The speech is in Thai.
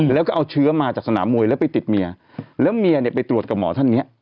แล้วก็เอาเชื้อมาจากสนามมวยแล้วไปติดเมียแล้วเมียเนี่ยไปตรวจกับหมอท่านเนี้ย